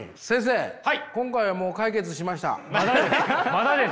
まだです。